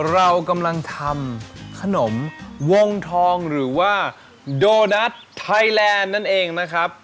เรากำลังทำขนมวงทองหรือว่าโดนัทไทยแลนด์นั่นเองนะครับ